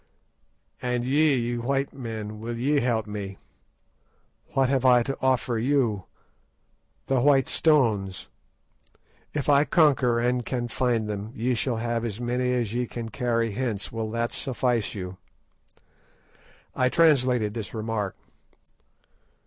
"And ye, white men, will ye help me? What have I to offer you! The white stones! If I conquer and can find them, ye shall have as many as ye can carry hence. Will that suffice you?" I translated this remark.